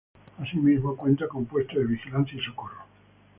Así mismo cuenta con puesto de vigilancia y socorro.